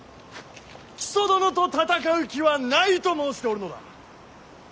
木曽殿と戦う気はないと申しておるのだ。